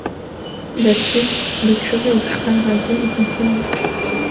La Tique, le curé au crâne rasé est en prison.